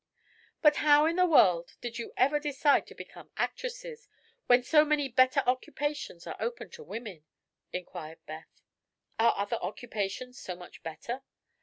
"But how in the world did you ever decide to become actresses, when so many better occupations are open to women?" inquired Beth. "Are other occupations so much better?